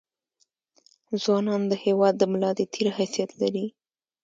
ځونان دهیواد دملا دتیر حیثت لري